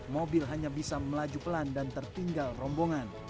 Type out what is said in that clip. mobil hanya bisa melaju pelan dan tertinggal rombongan